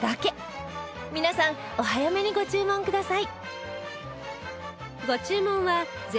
皆さんお早めにご注文ください！